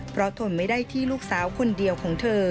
เพราะทนไม่ได้ที่ลูกสาวคนเดียวของเธอ